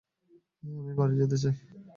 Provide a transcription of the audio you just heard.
আমি বাড়ি যেতে চাই!